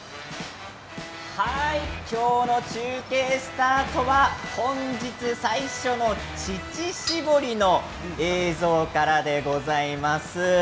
今日の中継スタートは乳搾りの映像からでございます。